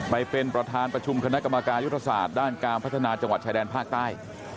ไปเป็นประธานประชุมคณะกรรมการยุทธศาสตร์ด้านการพัฒนาจังหวัดชายแดนภาคใต้